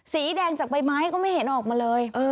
สีแดงจากใบไม้ก็ไม่เห็นออกมาเลย